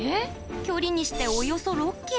距離にして、およそ６ｋｍ。